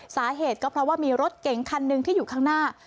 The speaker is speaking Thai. สาเหตุก็เพราะว่ามีรถเก๋งคันหนึ่งที่อยู่ข้างหน้า